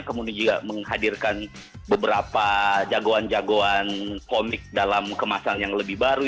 kemudian juga menghadirkan beberapa jagoan jagoan komik dalam kemasan yang lebih baru